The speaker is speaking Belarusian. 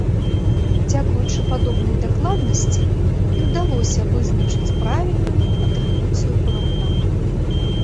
Дзякуючы падобнай дакладнасці і ўдалося вызначыць правільную атрыбуцыю палатна.